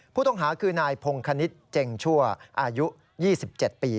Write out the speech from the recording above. ผู้ต้องหาคือนายพงคณิตเจงชั่วอายุ๒๗ปี